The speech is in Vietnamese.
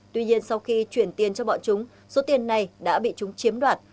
tuy nhiên sau khi chuyển tiền cho bọn chúng số tiền này đã bị chúng chiếm đoạt